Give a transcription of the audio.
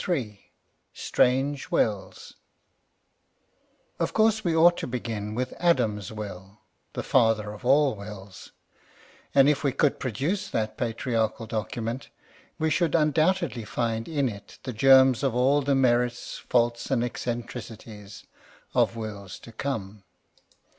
38 STRANGE WILLS Of course we ought to begin with Adam's will, the father of all wills ; and if we could produce that patriarchal document, we should undoubtedly find in it the germs of all the merits, faults, and eccentrici ties of wills to come.